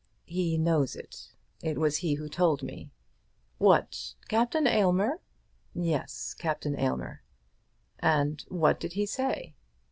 "He knows it. It was he who told me." "What! Captain Aylmer?" "Yes; Captain Aylmer." "And what did he say?"